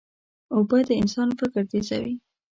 اوبه د انسان فکر تیزوي.